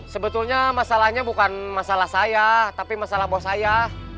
sebetulnya masalahnya bukan masalah saya tapi masalah bahwa saya